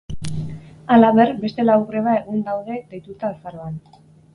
Halaber, beste lau greba egun daude deituta azaroan.